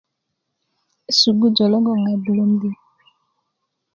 sugujö logon abulöndi